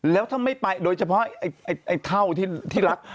แล้วถ้าไม่ไปโดยเฉพาะไอ้เท่าที่รัก